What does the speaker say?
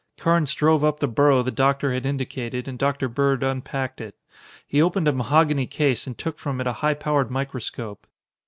Carnes drove up the burro the Doctor had indicated and Dr. Bird unpacked it. He opened a mahogony case and took from it a high powered microscope.